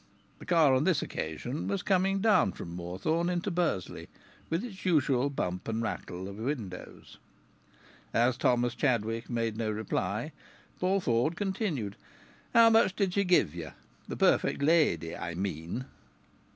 The car on this occasion was coming down from Moorthorne into Bursley, with its usual bump and rattle of windows. As Thomas Chadwick made no reply, Paul Ford continued: "How much did she give you the perfect lady, I mean?"